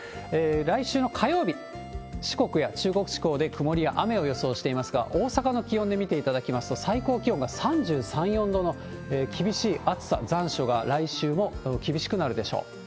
来週の火曜日、四国や中国地方で曇りや雨を予想していますが、大阪の気温で見ていただきますと、最高気温が３３、４度の厳しい暑さ、残暑が来週も厳しくなるでしょう。